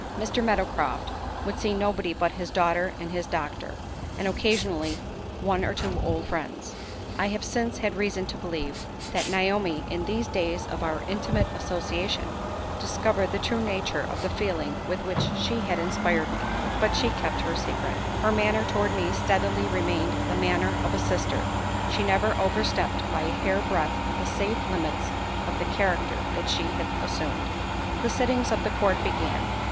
Mr. Meadowcroft would see nobody but his daughter and his doctor, and occasionally one or two old friends. I have since had reason to believe that Naomi, in these days of our intimate association, discovered the true nature of the feeling with which she had inspired me. But she kept her secret. Her manner toward me steadily remained the manner of a sister; she never overstepped by a hair breadth the safe limits of the character that she had assumed. The sittings of the court began.